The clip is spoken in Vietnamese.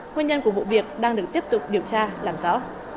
nguyên nhân của vụ việc đang được tiếp tục điều tra làm rõ